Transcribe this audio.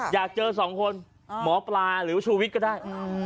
อยากเจอสองคนหมอปลาหรือชูวิทย์ก็ได้